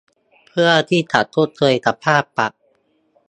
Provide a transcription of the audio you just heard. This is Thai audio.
เพื่อที่จะชดเชยกับค่าปรับ